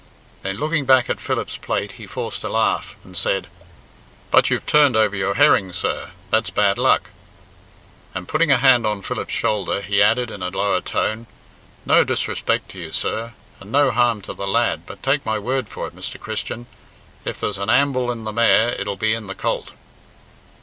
Then, looking back at Philip's plate, he forced a laugh, and said, "But you've turned over your herring, sir that's bad luck." And, putting a hand on Philip's shoulder, he added, in a lower tone, "No disrespeck to you, sir; and no harm to the lad, but take my word for it, Mr. Christian, if there's an amble in the mare it'll be in the colt."